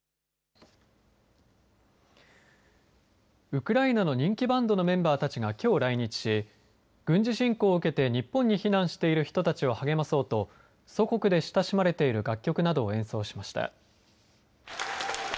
ウクライナの人気バンドのメンバーたちがきょう来日し軍事侵攻を受けて日本に避難している人たちを励まそうと祖国で親しまれている楽曲などを演奏しました。